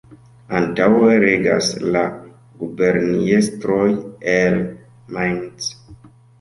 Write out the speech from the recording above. Antaŭe regas la guberniestroj el Mainz.